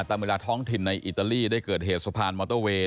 ตามเวลาท้องถิ่นในอิตาลีได้เกิดเหตุสะพานมอเตอร์เวย์